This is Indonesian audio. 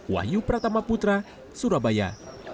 wahyu pratama putra surabaya